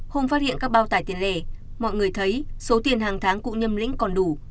không phát hiện các bao tải tiền lẻ mọi người thấy số tiền hàng tháng cụ nhâm lĩnh còn đủ